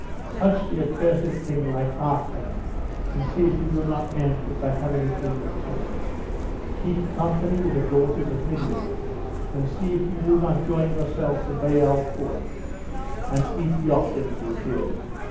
Touch the accursed thing, like Achan, and see if you do not end by having it in your tent. Keep company with the daughters of Midian, and see if you do not join yourself to Baal poor, and eat the offerings of the dead!